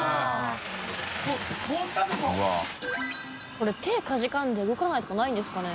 これ手かじかんで動かないとかないんですかね？